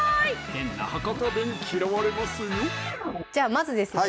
変な博多弁嫌われますよじゃあまずですね